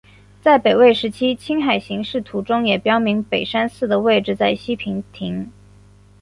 在北魏时期青海形势图中也标明北山寺的位置在西平亭。